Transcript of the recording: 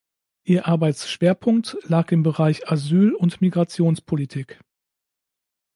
Ihr Arbeitsschwerpunkt lag im Bereich Asyl- und Migrationspolitik.